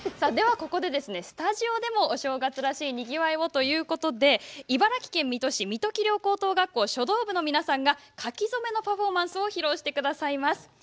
ではここで、スタジオでもお正月らしいにぎわいということで茨城県水戸市水戸葵陵高等学校書道部の皆さんが書き初めのパフォーマンスを披露してくださいます。